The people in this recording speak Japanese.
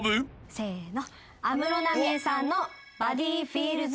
せーの。